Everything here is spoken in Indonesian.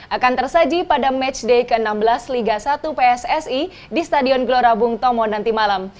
akan tersaji pada matchday ke enam belas liga satu pssi di stadion gelora bung tomo nanti malam